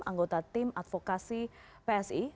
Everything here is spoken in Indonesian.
anggota tim advokasi psi